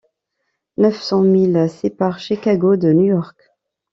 Neuf cents milles séparent Chicago de New-York.